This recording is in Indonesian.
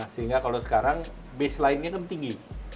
sehingga kalau sekarang baseline nya kan tinggi